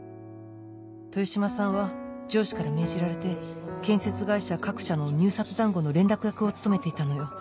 豊島さんは上司から命じられて建設会社各社の入札談合の連絡役を務めていたのよ。